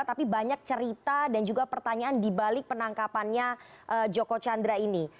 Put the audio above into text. tapi banyak cerita dan juga pertanyaan dibalik penangkapannya joko chandra ini